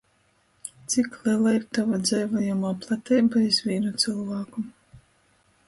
Cik lela ir Tova dzeivojamuo plateiba iz vīnu cylvāku?